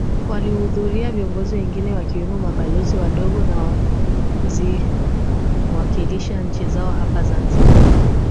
Walihudhuria viongozi wengine wakiwemo Mabalozi wadogo wanaoziwakilisha nchi zao hapa Zanzibar